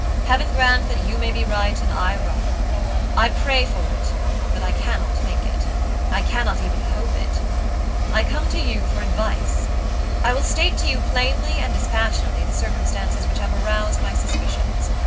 "Heaven grant that you may be right and I wrong. I pray for it, but I cannot think itI cannot even hope it. I come to you for advice. I will state to you plainly and dispassionately the circumstances which have aroused my suspicions.